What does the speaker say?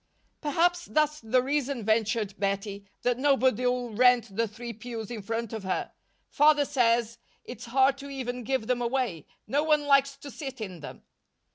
"Perhaps that's the reason," ventured Bettie, "that nobody'll rent the three pews in front of her. Father says it's hard to even give them away. No one likes to sit in them."